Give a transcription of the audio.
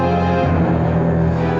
ndra kamu udah nangis